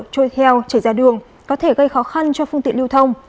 trôi heo chảy ra đường có thể gây khó khăn cho phương tiện lưu thông